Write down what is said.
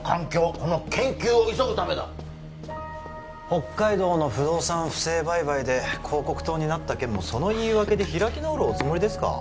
この研究を急ぐためだ北海道の不動産不正売買で広告塔になった件もその言い訳で開き直るおつもりですか？